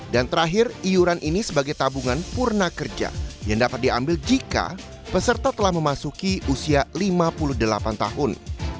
dan terakhir iuran ini sebagai tabungan purna kerja yang dapat diambil jika peserta telah memasuki usia lima puluh delapan tahun